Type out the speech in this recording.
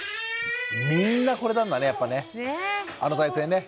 みんなこれなんだねやっぱね。